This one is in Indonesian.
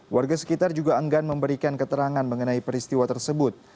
warga sekitar juga enggan memberikan keterangan mengenai peristiwa tersebut